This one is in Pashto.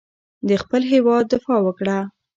د خپل هېواد دفاع وکړه.